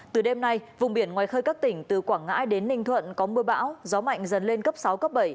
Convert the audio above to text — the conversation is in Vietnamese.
từ đêm nay vùng biển ngoài khơi các tỉnh từ quảng ngãi đến ninh thuận có mưa bão gió mạnh dần lên cấp sáu cấp bảy